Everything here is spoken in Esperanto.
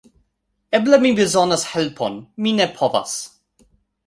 Eble mi bezonas helpon... mi ne povas...